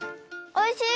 おいしい。